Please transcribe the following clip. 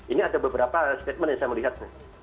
ini ada beberapa statement yang saya melihat